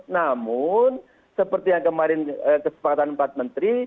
namun seperti yang kemarin kesepakatan empat menteri